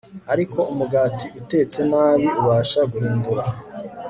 ariko umugati utetse nabi ubasha guhindura